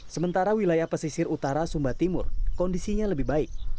sementara wilayah pesisir utara sumba timur kondisinya lebih baik